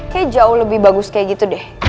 ya jauh lebih bagus kaya gitu deh